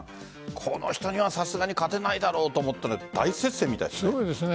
この人にはさすがに勝てないだろうと思ったら大接戦みたいですね。